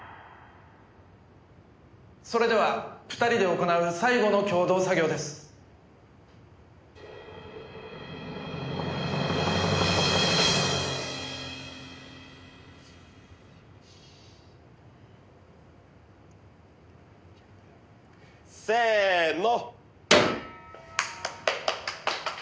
「それでは２人で行う最後の共同作業です」せーの！